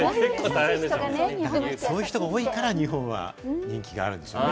そういう人が多いから、日本は人気があるんでしょうね。